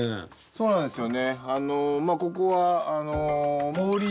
そうなんですよ。